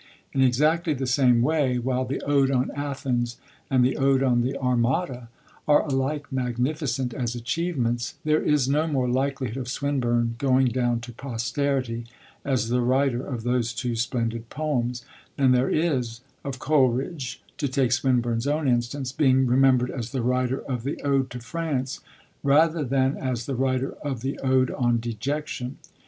In exactly the same way, while the ode on Athens and the ode on the Armada are alike magnificent as achievements, there is no more likelihood of Swinburne going down to posterity as the writer of those two splendid poems than there is of Coleridge, to take Swinburne's own instance, being remembered as the writer of the ode to France rather than as the writer of the ode on Dejection.